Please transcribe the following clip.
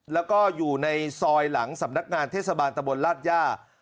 แล้วก็อยู่ในซอยหลังสำนักงานเทศบาลตะบนราชย่า